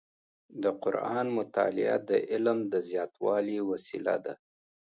د قرآن مطالع د علم زیاتولو وسیله ده.